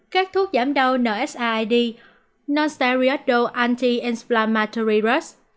các thuốc giảm đầu nsaid non stereoidal anti inflammatory drugs